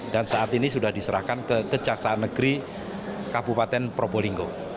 dan saat ini sudah diserahkan ke kejaksaan negeri kabupaten probolinggo